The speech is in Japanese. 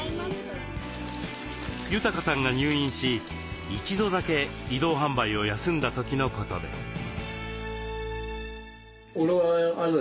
裕さんが入院し一度だけ移動販売を休んだ時のことです。